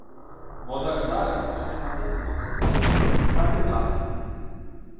Вона ж зараз почне гасати по всьому місті, шукати нас.